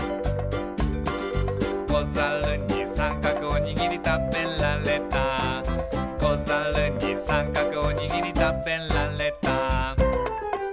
「こざるにさんかくおにぎりたべられた」「こざるにさんかくおにぎりたべられた」